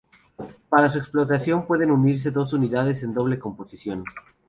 Para su explotación pueden unirse dos unidades en doble composición.